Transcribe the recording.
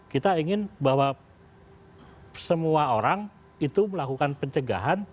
kita ingin bahwa semua orang itu melakukan pencegahan